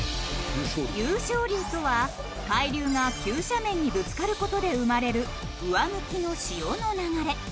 湧昇流とは海流が急斜面にぶつかることで生まれる「上向きの潮の流れ」